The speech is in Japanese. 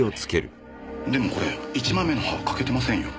でもこれ１枚目の刃欠けてませんよ。